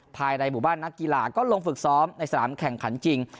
ภายในหมู่บ้านนักกีฬาก็ลงฝึกซ้อมในสนามแข่งขันจริง